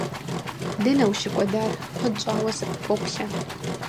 - Дэнэ ущыкӀуэдар? Куэд щӀауэ сыппоплъэ!